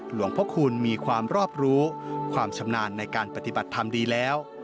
หลวงพระคุณมีความรอบรู้ความชำนาญในการปฏิบัติธรรมดีแล้ว